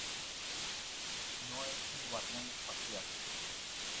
¡ No es un guardián espacial!